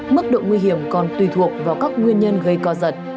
mức độ nguy hiểm còn tùy thuộc vào các nguyên nhân gây co giật